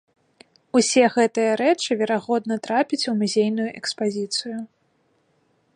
Усе гэтыя рэчы верагодна трапяць у музейную экспазіцыю.